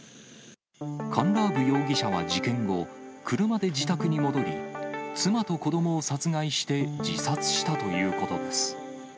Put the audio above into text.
カンラーブ容疑者は事件後、車で自宅に戻り、妻と子どもを殺害して自殺したということです。